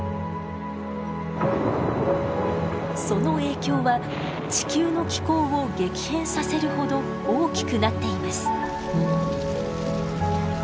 その影響は地球の気候を激変させるほど大きくなっています。